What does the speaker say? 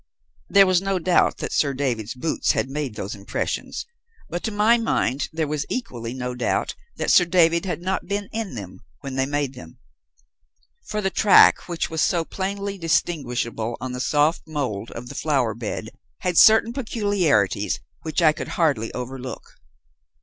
There was no doubt that Sir David's boots had made those impressions, but to my mind there was equally no doubt that Sir David had not been in them when they made them. For the track which was so plainly distinguishable on the soft mould of the flower bed had certain peculiarities which I could hardly overlook.